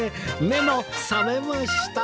目も覚めました